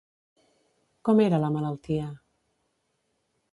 Com era la malaltia?